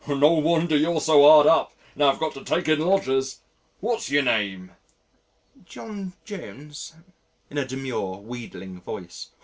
'" "No wonder you're so hard up and 'ave got to take in lodgers. What's yer name?" "John Jones," in a demure wheedling voice.